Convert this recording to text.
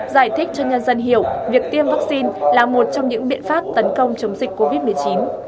giải thích cho nhân dân hiểu việc tiêm vaccine là một trong những biện pháp tấn công chống dịch covid một mươi chín